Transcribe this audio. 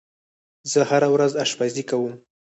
زه هره ورځ آشپزی کوم.